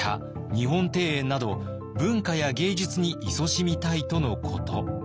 日本庭園など文化や芸術にいそしみたいとのこと。